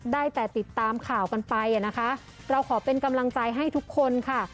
ได้แต่ติดตามข่าวกันไปนะคะเราขอเป็นกำลังใจให้ทุกคนค่ะ